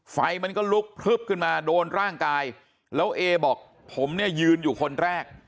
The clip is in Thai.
ไฟมันก็ลุกพลึบขึ้นมาโดนร่างกายแล้วเอบอกผมเนี่ยยืนอยู่คนแรก